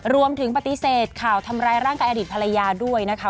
รวมถึงปฏิเสธข่าวทำร้ายร่างกายอดีตภรรยาด้วยนะคะ